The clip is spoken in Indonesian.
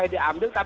jadi saya berpikir